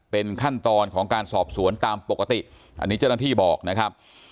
เป็นขั้นตอนของการสอบสวนตามปกติอันนี้เจ้าหน้าที่บอกนะครับ